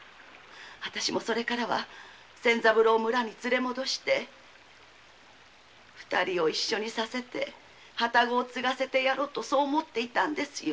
私もそれからは二人を一緒にさせて旅籠を継がせてやろうとそう思っていたんですよ。